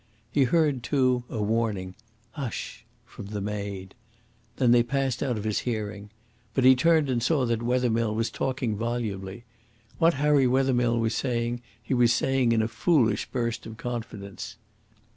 He heard, too, a warning "Hush!" from the maid. Then they passed out of his hearing. But he turned and saw that Wethermill was talking volubly. What Harry Wethermill was saying he was saying in a foolish burst of confidence.